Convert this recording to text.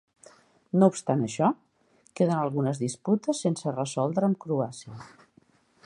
No obstant això, queden algunes disputes sense resoldre amb Croàcia.